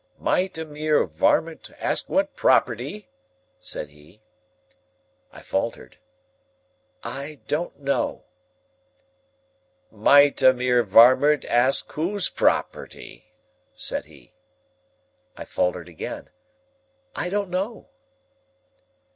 "Might a mere warmint ask what property?" said he. I faltered, "I don't know." "Might a mere warmint ask whose property?" said he. I faltered again, "I don't know."